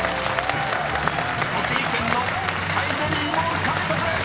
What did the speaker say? ［栃木県のスカイベリーも獲得です！］